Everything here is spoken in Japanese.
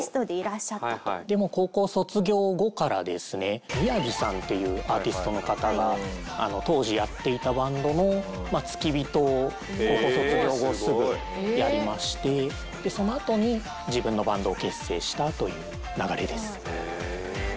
もう高校卒業後からですねＭＩＹＡＶＩさんっていうアーティストの方が当時やっていたバンドの付き人を高校卒業後すぐやりましてでそのあとに自分のバンドを結成したという流れです。